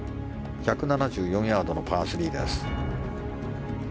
１７４ヤードのパー３です。